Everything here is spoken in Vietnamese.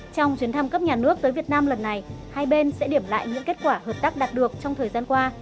trong chuyến thăm cấp nhà nước tới việt nam lần này hai bên sẽ điểm lại những kết quả hợp tác đạt được trong thời gian qua